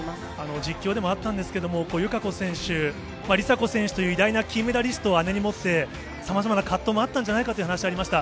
実況でもあったんですけれども、友香子選手、梨紗子選手という偉大な金メダリストを姉に持って、さまざまな葛藤もあったんじゃないかという話もありました。